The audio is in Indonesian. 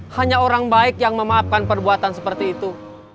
hanya orang baik yang memaafkan perbuatan seperti itu